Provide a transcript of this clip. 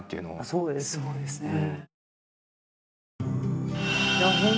そうですね。